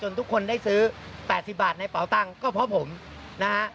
ทุกคนได้ซื้อ๘๐บาทในเป๋าตังค์ก็เพราะผมนะฮะ